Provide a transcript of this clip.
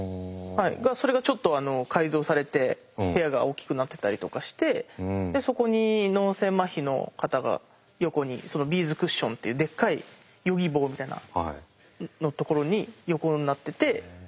それがちょっと改造されて部屋が大きくなってたりとかしてそこに脳性まひの方が横にビーズクッションっていうでっかいヨギボーみたいなところに横になってて。